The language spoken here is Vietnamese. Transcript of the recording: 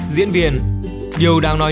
diễn viên điều đáng nói